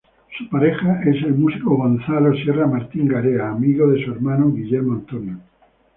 Su pareja es el músico Gonzalo Sierra Martín-Garea, amigo de su hermano Guillermo Antonio.